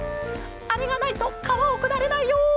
「あれがないとかわをくだれないよ」。